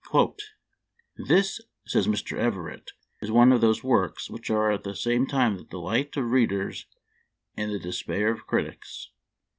" This," says Mr. Everett, " is one of those works which are at the same time the delight of readers and the despair of critics.